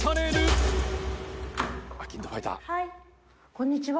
こんにちは。